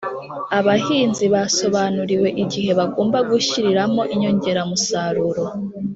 abahinzi basobanuriwe igihe bagomba gushyiriramo inyongera musaruro